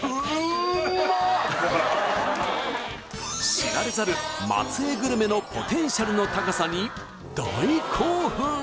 知られざる松江グルメのポテンシャルの高さに大興奮！